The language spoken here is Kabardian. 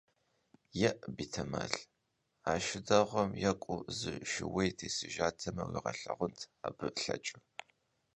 ЕӀ, бетэмал, а шы дэгъуэм екӀуну зы шууей тесыжатэмэ, уигъэлъагъунт абы лъэкӀыр!